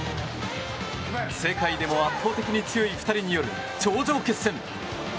世界でも圧倒的に強い２人による頂上決戦。